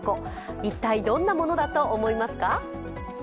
一体どんなものだと思いますか？